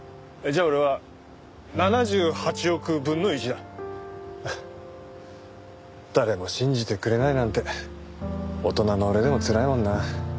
じゃあ俺は７８億分の１だ。誰も信じてくれないなんて大人の俺でもつらいもんな。